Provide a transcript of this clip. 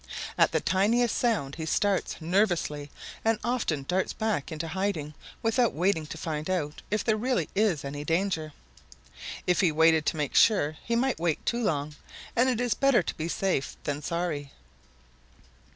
At the tiniest sound he starts nervously and often darts back into hiding without waiting to find out if there really is any danger. If he waited to make sure he might wait too long, and it is better to be safe than sorry.